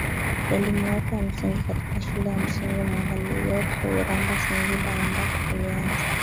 elimu yake ya msingi katika shule ya Msingi Mwangailiyopo Iramba Singida ambapo alianza